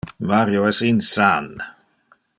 Mario es insan.